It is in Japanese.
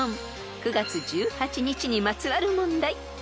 ［９月１８日にまつわる問題］